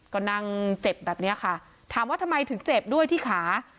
ก็นั่งเจ็บแบบนี้ค่ะถามว่าทำไมถึงเจ็บด้วยที่ขา